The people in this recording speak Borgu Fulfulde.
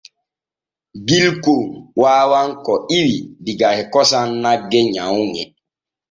Gilkon waawan ko ƴiwi diga e kosam nagge nyawŋe.